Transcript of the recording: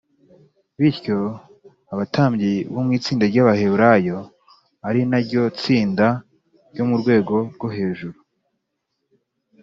bityo, abatambyi bo mu itsinda rya baheburayo ari na ryo tsinda ryo mu rwego rwo hejuru